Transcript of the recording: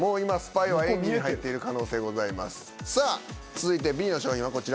さあ続いてＢの商品はこちら。